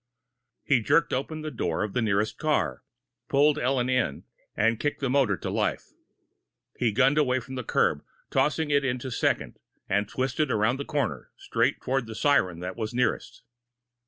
He jerked open the door of the nearest car, pulled Ellen in, and kicked the motor to life. He gunned away from the curb, tossed it into second, and twisted around the corner, straight toward the siren that was nearest.